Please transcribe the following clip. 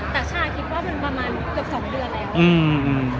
แต่ชาคิดว่ามันประมาณเกือบ๒เดือนแล้ว